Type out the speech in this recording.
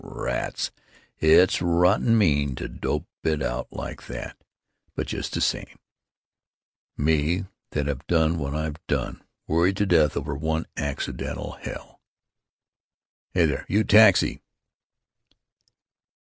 Rats! It's rotten mean to dope it out like that, but just the same——Me that have done what I've done—worried to death over one accidental 'hell'!... Hey there, you taxi!"